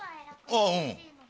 あぁうん。